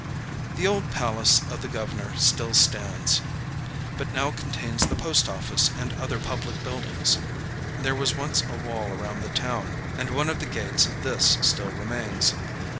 The old palace of the governor still stands, but now contains the post office and other public buildings. There was once a wall around the town, and one of the gates of this still remains.